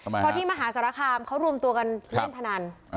เพราะที่มหาสารคามเขารวมตัวกันเล่นพนัน